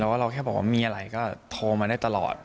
แต่ว่าเราแค่บอกว่ามีอะไรก็โทรมาได้ตลอด